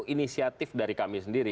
inisiatif dari kami sendiri